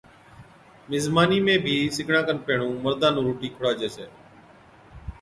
مزمانِي ۾ بِي سِگڙان کن پيھڻُون مردان نُون روٽِي کُڙاجَي ڇَي